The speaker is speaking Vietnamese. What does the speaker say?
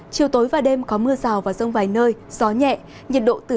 chiều tối và đêm có mưa rào và rông vài nơi gió nhẹ nhiệt độ từ hai mươi sáu ba mươi năm độ